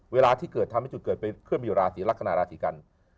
เวลาที่เกิดทำให้จุดเกิดเคลื่อนไปอยู่ราศีลักษณะราศีกัน